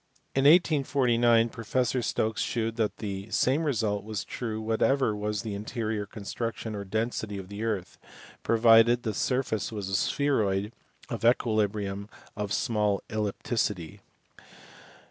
In 1849 Prof. Stokes* shewed that the same result was true whatever was the in terior constitution or density of the earth provided the surface was a spheroid of equilibrium of small ellipticity.